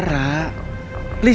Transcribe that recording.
lisa dengerin penjelasan